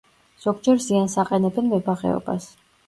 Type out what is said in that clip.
ზოგჯერ ზიანს აყენებენ მებაღეობას.